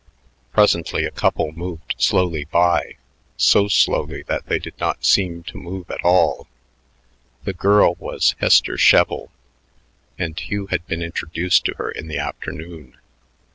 Presently a couple moved slowly by, so slowly that they did not seem to move at all. The girl was Hester Sheville, and Hugh had been introduced to her in the afternoon.